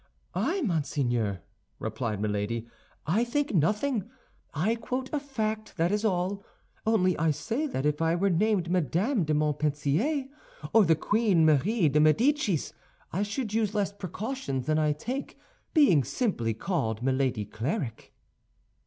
"I, monseigneur?" replied Milady. "I think nothing; I quote a fact, that is all. Only I say that if I were named Madame de Montpensier, or the Queen Marie de Médicis, I should use less precautions than I take, being simply called Milady Clarik."